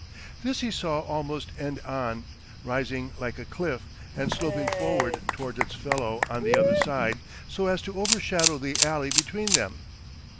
This he saw almost end on, rising like a cliff and sloping forward towards its fellow on the other side so as to overshadow the alley between them.